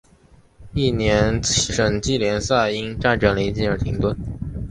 翌年省际联赛因战争临近而停顿。